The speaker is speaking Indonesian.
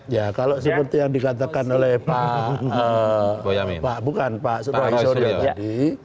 ya kalau seperti yang dikatakan oleh pak roy suryo tadi